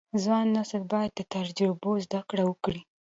ځوان نسل باید له تجربو زده کړه وکړي.